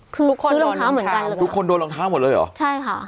คือทุกคนซื้อรองเท้าเหมือนกันทุกคนโดนรองเท้าหมดเลยเหรอใช่ค่ะ